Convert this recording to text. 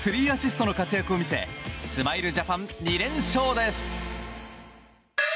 ３アシストの活躍を見せスマイルジャパン２連勝です。